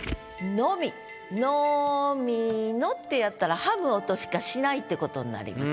「のみの」ってやったら食む音しかしないって事になります。